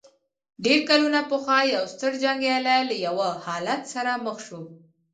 ډېر کلونه پخوا يو ستر جنګيالی له يوه حالت سره مخ شو.